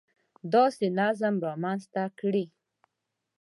داسې نظم رامنځته کړي